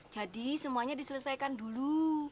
jadi semuanya diselesaikan dulu